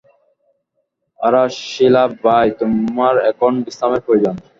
আরে শিলা বাই, তোমার এখন বিশ্রামের প্রয়োজন।